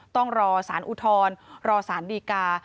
ต้องรอสารอุทธรณ์รอสารดีกา